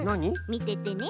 みててね。